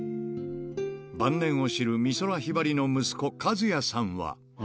晩年を知る美空ひばりの息子、和也さんは。